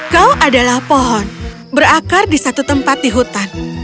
kau adalah pohon berakar di satu tempat di hutan